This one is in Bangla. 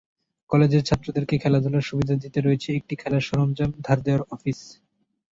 কলেজের ছাত্রদেরকে খেলাধুলার সুবিধা দিতে রয়েছে একটি খেলার সরঞ্জাম ধার দেয়ার অফিস।